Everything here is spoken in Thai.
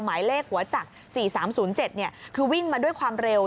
หมายเลขหัวจักร๔๓๐๗คือวิ่งมาด้วยความเร็ว